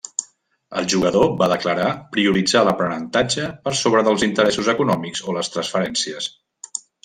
El jugador va declarar prioritzar l'aprenentatge per sobre dels interessos econòmics o les transferències.